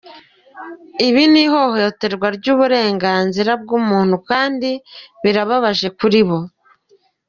Ibi ni ihohoterwa ry’uburenganzira bw’umuntu kandi birababaje kuri bo.”